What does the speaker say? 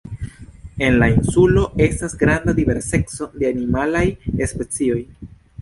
En la insulo, estas granda diverseco de animalaj specioj.